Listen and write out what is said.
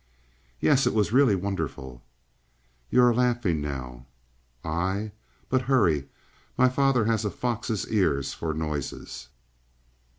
"Yes; it was really wonderful!" "You are laughing, now." "I? But hurry. My father has a fox's ear for noises."